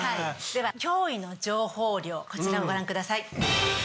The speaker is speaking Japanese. では驚異の情報量こちらをご覧ください。